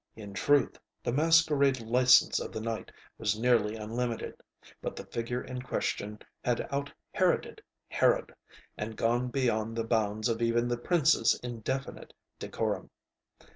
In truth the masquerade license of the night was nearly unlimited; but the figure in question had out Heroded Herod, and gone beyond the bounds of even the princeŌĆÖs indefinite decorum.